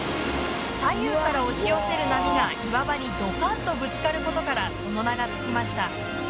左右から押し寄せる波が岩場にドカンとぶつかることからその名が付きました。